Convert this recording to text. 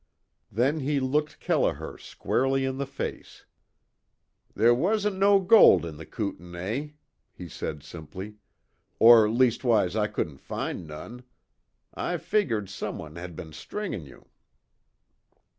Then he looked Kelliher squarely in the face: "There wasn't no gold in the Kootenay," he said simply, "Or leastwise I couldn't find none. I figured someone had be'n stringin' you."